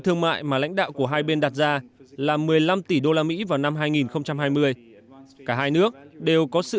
thương mại mà lãnh đạo của hai bên đặt ra là một mươi năm tỷ usd vào năm hai nghìn hai mươi cả hai nước đều có sự